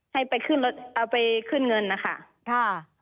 ให้ไปเอาไปขึ้นเงินค่ะ